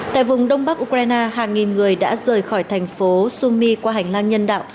tại vùng đông bắc ukraine hàng nghìn người đã rời khỏi thành phố sumi qua hành lang nhân đạo